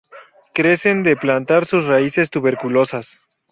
Crecen de plantar sus raíces tuberosas.